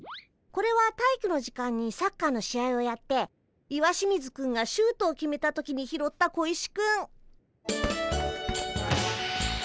これは体育の時間にサッカーの試合をやって石清水くんがシュートを決めた時に拾った小石くん。